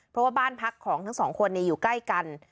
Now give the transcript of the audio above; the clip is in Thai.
เพราะว่าบ้านพักของทั้งสองคนอยู่ใกล้กัน